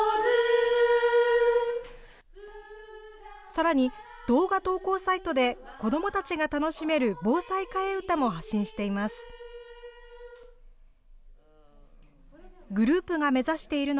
さらに、動画投稿サイトで、子どもたちが楽しめる防災替え歌も発信しています。